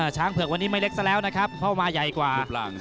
เผือกวันนี้ไม่เล็กซะแล้วนะครับเข้ามาใหญ่กว่า